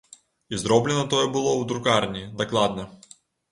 І зроблена тое было ў друкарні, дакладна.